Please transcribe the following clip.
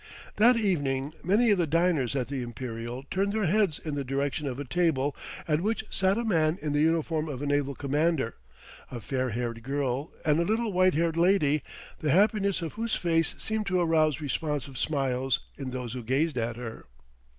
That evening many of the diners at the Imperial turned their heads in the direction of a table at which sat a man in the uniform of a naval commander, a fair haired girl and a little white haired lady, the happiness of whose face seemed to arouse responsive smiles in those who gazed at her.